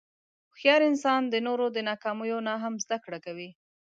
هوښیار انسان د نورو د ناکامیو نه هم زدهکړه کوي.